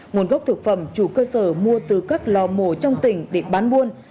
nguồn gốc thực phẩm chủ cơ sở mua từ các lò mổ trong tỉnh để bán buôn